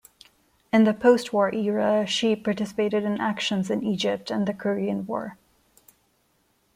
In the postwar era, she participated in actions in Egypt and the Korean War.